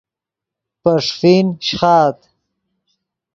پے ݰیفین شیخآت